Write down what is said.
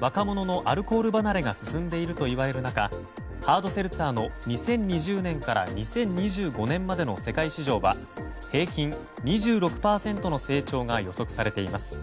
若者のアルコール離れが進んでいるといわれる中ハードセルツァーの２０２０年から２０２５年までの世界市場は、平均２６％の成長が予測されています。